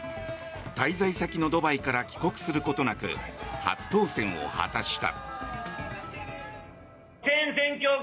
滞在先のドバイから帰国することなく初当選を果たした。